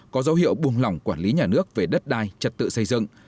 có dấu hiệu buông lỏng quản lý nhà nước về đất đai trật tự xây dựng